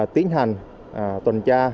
tiến hành tuần tra